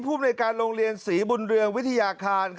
ภูมิในการโรงเรียนศรีบุญเรืองวิทยาคาร